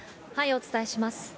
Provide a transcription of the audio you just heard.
お伝えします。